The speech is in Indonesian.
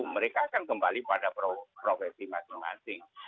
mereka akan kembali pada profesi masing masing